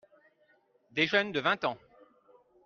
Des jeunes de vingt ans.